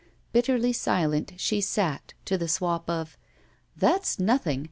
Bitterly silent she sat to the swap of: That's nothing.